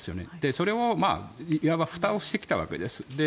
それを、いわばふたをしてきたわけです。